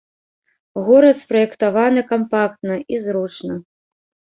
Горад спраектаваны кампактна і зручна.